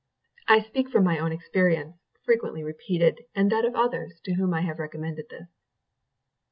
I speak from my own experience, frequently repeated, and that of others, to whom I have recommended this.